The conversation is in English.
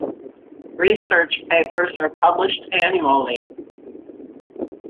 Research papers are published annually.